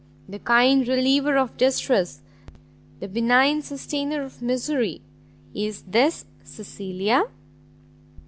the kind reliever of distress! the benign sustainer of misery! is This Cecilia!"